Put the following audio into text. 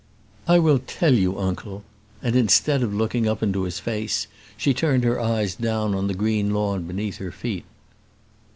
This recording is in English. "I will tell you, uncle;" and, instead of looking up into his face, she turned her eyes down on the green lawn beneath her feet.